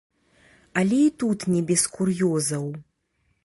Але і тут не без кур'ёзаў.